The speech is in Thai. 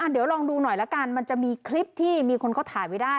เดี๋ยวลองดูหน่อยละกันมันจะมีคลิปที่มีคนเขาถ่ายไว้ได้